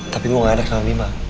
tapi gue gak ada sama bima